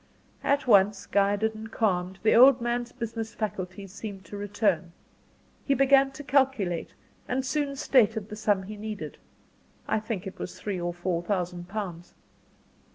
At once guided and calmed, the old man's business faculties seemed to return. He began to calculate, and soon stated the sum he needed; I think it was three or four thousand pounds.